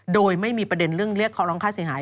โดยไม่มีประเด็นเรื่องเรียกขอร้องค่าเสียหาย